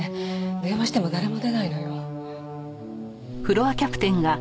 電話しても誰も出ないのよ。